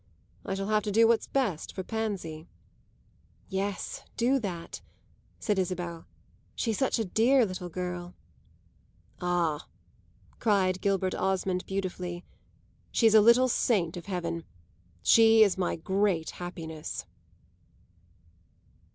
I shall have to do what's best for Pansy." "Yes, do that," said Isabel. "She's such a dear little girl." "Ah," cried Gilbert Osmond beautifully, "she's a little saint of heaven! She is my great happiness!"